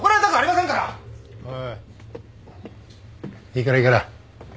いいからいいから。